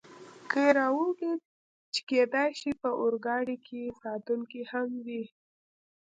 کې را ولوېد، چې کېدای شي په اورګاډي کې ساتونکي هم وي.